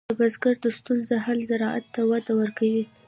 د بزګر د ستونزو حل زراعت ته وده ورکوي.